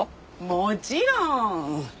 もちろん！